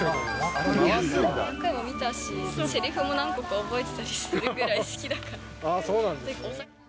何回も見たし、せりふも何個か覚えてたりするくらい好きだから。